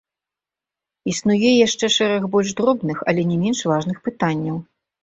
Існуе яшчэ шэраг больш дробных, але не менш важных пытанняў.